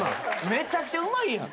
めちゃくちゃうまいやん。